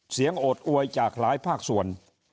โอดอวยจากหลายภาคส่วน